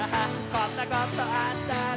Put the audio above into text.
こんなことあったら」